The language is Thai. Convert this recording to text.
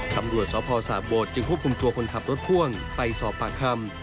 ตำรวจสพสาโบดจึงควบคุมตัวคนขับรถพ่วงไปสอบปากคำ